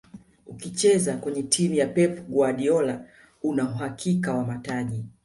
ukicheza kwenye timu ya pep guardiola una uhakika wa mataji